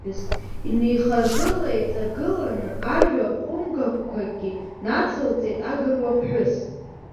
Инеихаргыла-еиҵаргыланы ажәа хәымгақәакгьы нацылҵеит агыруа ԥҳәыс.